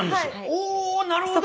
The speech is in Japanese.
おぉなるほど！